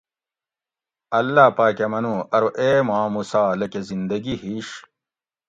اللّٰہ پاۤکہۤ منو ارو اے ماں موسٰی لکہ زندگی ہِیش